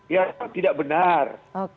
ya tidak benar